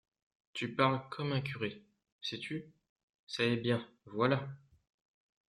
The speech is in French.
Tu parles comme un curé… sais-tu ?… ça est bien, voilà !